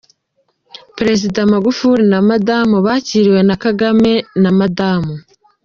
Perezida Magufuli na Madamu bakiriwe na Perezida Kagame na Madamu.